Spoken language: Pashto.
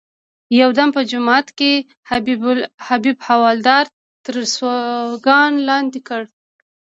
یو دم په جومات کې حبیب حوالدار تر سوکانو لاندې کړ.